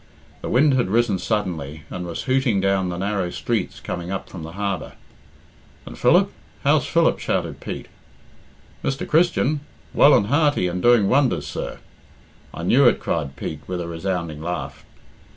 The wind had risen suddenly, and was hooting down the narrow streets coming up from the harbour. "And Philip? How's Philip?" shouted Pete. "Mr. Christian? Well and hearty, and doing wonders, sir." "I knew it," cried Pete, with a resounding laugh.